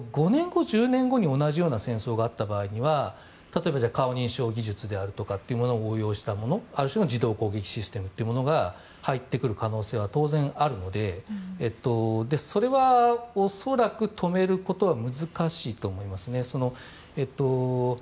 タイミングが合ってないだけで５年後１０年後に同じような戦争があった場合には例えば、顔認証技術とかを運用したものある種の自動攻撃システムが入ってくる可能性は当然あるのでそれは恐らく止めることは難しいと思います。